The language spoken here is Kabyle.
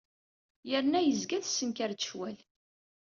Yerna yezga tessenkar-d ccwal.